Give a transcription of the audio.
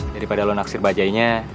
daripada lo naksir bajainya